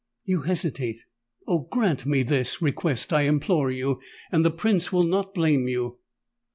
You hesitate! Oh! grant me this request, I implore you—and the Prince will not blame you!"